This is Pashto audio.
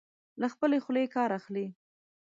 له خپلې خولې کار اخلي.